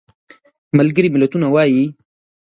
ملګري ملتونه وایي.